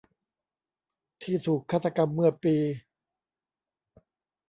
ที่ถูกฆาตกรรมเมื่อปี